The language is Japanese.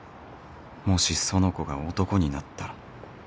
もし苑子が男になったら